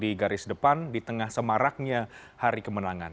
dari sedepan di tengah semaraknya hari kemenangan